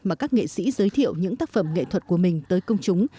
mà các nghệ sĩ giới thiệu những tác phẩm nghệ thuật của mình tới công chúng